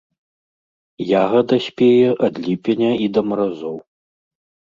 Ягада спее ад ліпеня і да маразоў.